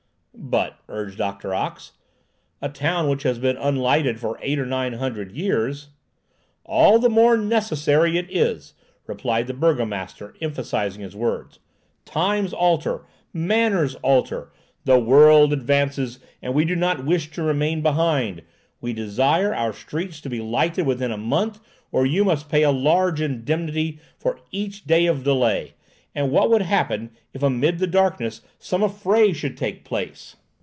"But," urged Doctor Ox, "a town which has been un lighted for eight or nine hundred years—" "All the more necessary is it," replied the burgomaster, emphasizing his words. "Times alter, manners alter! The world advances, and we do not wish to remain behind. We desire our streets to be lighted within a month, or you must pay a large indemnity for each day of delay; and what would happen if, amid the darkness, some affray should take place?"